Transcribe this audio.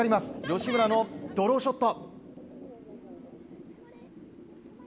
吉村のドローショット。